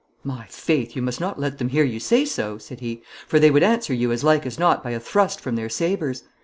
'My faith, you must not let them hear you say so,' said he, 'for they would answer you as like as not by a thrust from their sabres.